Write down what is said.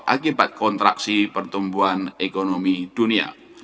akibat kontraksi pertumbuhan ekonomi dunia